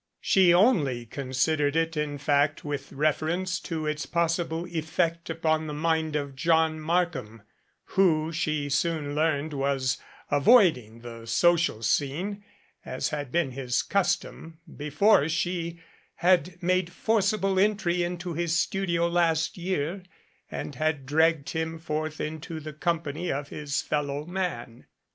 She only considered it, in fact, with reference to its possible effect upon the mind of John Markham, who she soon learned was avoiding the social scene, as had been his custom, before she had made forcible entry into his studio last year and had dragged him forth into the company of his fellow men.